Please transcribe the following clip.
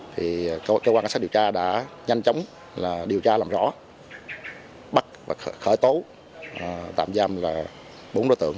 thì cơ quan cảnh sát điều tra đã nhanh chóng điều tra làm rõ bắt và khởi tố tạm giam là bốn đối tượng